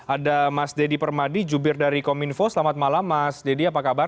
ada mas deddy permadi jubir dari kominfo selamat malam mas deddy apa kabar